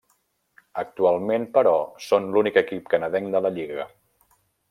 Actualment però, són l'únic equip canadenc de la lliga.